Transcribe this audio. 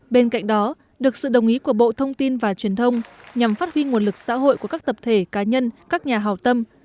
bên cạnh đó được sự đồng ý của bộ thông tin và truyền thông nhằm phát huy nguồn lực xã hội của các tập thể cá nhân các nhà hào tâm